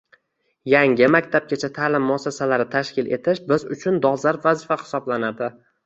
yangi maktabgacha ta’lim muassasalari tashkil etish biz uchun dolzarb vazifa hisoblanadi.